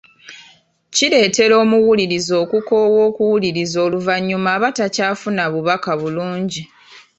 Kireetera omuwuliriza okukoowa okuwuliriza oluvannyuma aba takyafuna bubaka bulungi.